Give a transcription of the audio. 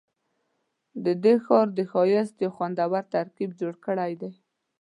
ددې ښار د ښایست یو خوندور ترکیب جوړ کړی دی.